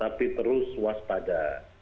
tetapi terus waspada